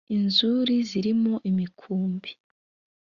inzuri zirimo imikumbi